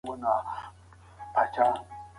د زعفرانو اصلي نښه باید وساتل شي.